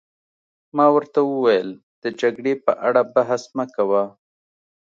ما ورته وویل: د جګړې په اړه بحث مه کوه.